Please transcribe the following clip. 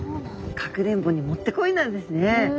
かくれんぼにもってこいなんですね。